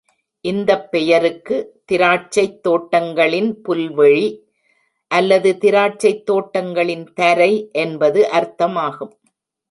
இந்தப் பெயருக்கு, "திராட்சைத் தோட்டங்களின் புல்வெளி" அல்லது "திராட்சைத் தோட்டங்களின் தரை" என்பது அர்த்தமாகும்.